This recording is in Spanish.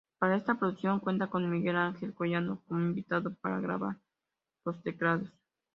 Para esta producción cuentan con Miguel Ángel Collado como invitado para grabar los teclados.